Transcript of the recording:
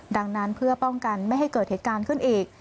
ดังนั้นเพื่อป้องกันไม่ให้เกิดเหตุการณ์ขึ้นอีก